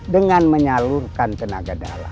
dengan menyalurkan tenaga dalam